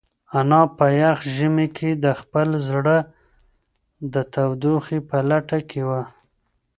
انا په یخ ژمي کې د خپل زړه د تودوخې په لټه کې وه.